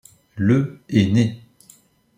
Le est né.